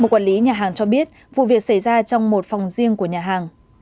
một quản lý nhà hàng cho biết vụ việc xảy ra trong một phòng riêng của nhà hàng